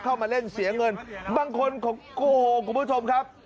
เข้ามาเล่นเสียเงินบางคนโอ้โหคุณผู้ชมครับ